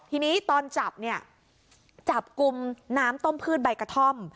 ทีนี้ตอนจับเนี่ยจับกลุ่มน้ำต้มพืชใบกระท่อม